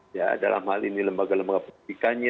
ya dalam hal ini lembaga lembaga pendidikannya